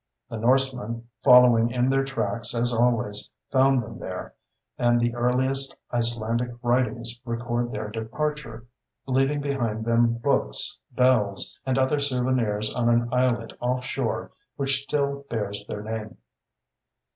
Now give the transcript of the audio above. The Norsemen, following in their tracks as always, found them there, and the earliest Icelandic writings record their departure, leaving behind them books, bells, and other souvenirs on an islet off shore which still bears their name.